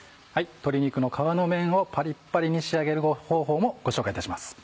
鶏肉の皮の面をパリッパリに仕上げる方法もご紹介いたします。